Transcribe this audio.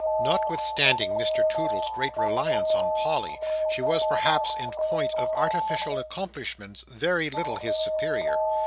Notwithstanding Mr Toodle's great reliance on Polly, she was perhaps in point of artificial accomplishments very little his superior.